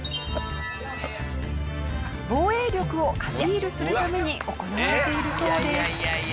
防衛力をアピールするために行われているそうです。